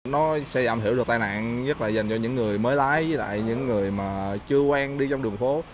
nó sẽ giảm hiểu được tai nạn nhất là dành cho những người mới lái với lại những người mà chưa quen đi trong đường phố